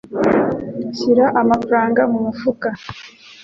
Shyira amafaranga mu mufuka.